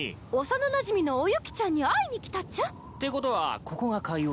幼なじみのおユキちゃんに会いに来たっちゃ。ってことはここが海王星？